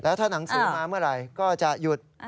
ถ้าหนังสือมาเมื่อไหร่ก็จะหยุด